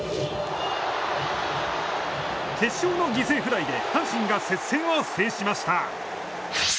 決勝の犠牲フライで阪神が接戦を制しました。